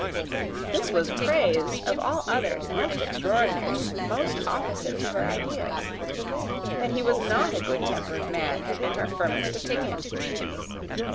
This was praise of all others most extraordinary, most opposite to her ideas. That he was not a good tempered man had been her firmest opinion.